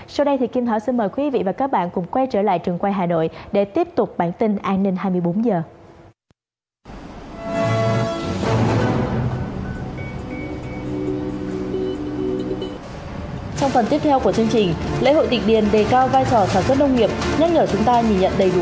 sau đây thì kim thảo xin mời quý vị và các bạn cùng quay trở lại trường quay hà nội để tiếp tục bản tin an ninh hai mươi bốn giờ